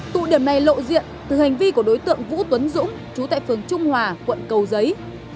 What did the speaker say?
tụ điểm này lộ diện từ hành vi của đối tượng vũ tuấn dũng chú tại phường trung hòa quận cầu giấy